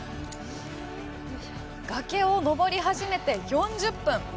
崖を登り始めて４０分。